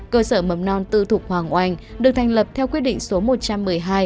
cơ sở mầm non tư thục hoàng oanh được thành lập theo quyết định số một trăm một mươi hai